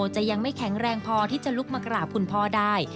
จะยังไม่แข็งแรงพอที่จะลุกมากราบคุณพ่อได้